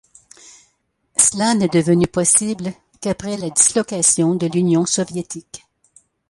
Cela n'est devenu possible qu'après la dislocation de l'Union soviétique.